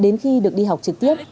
đến khi được đi học trực tiếp